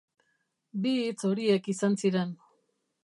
Bi hitz horiek izan ziren.